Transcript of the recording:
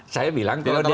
saya bilang kalau denjakan